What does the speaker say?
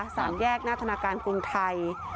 สามแยกนาธนาการกุญไทย